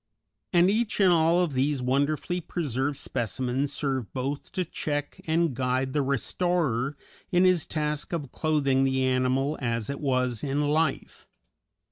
And each and all of these wonderfully preserved specimens serve both to check and guide the restorer in his task of clothing the animal as it was in life.